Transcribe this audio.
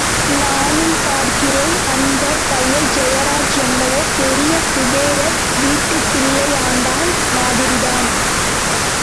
நானும் பார்க்கிறேன், அந்தப் பயல் ஜெயராஜ் என்னவோ பெரிய குபேரர் வீட்டுப்பிள்ளையாண்டான் மாதிரிதான்.